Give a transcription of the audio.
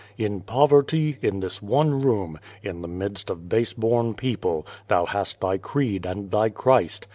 In poverty, in this one room, in the midst of base born people, thou hast th}' creed and thy Christ.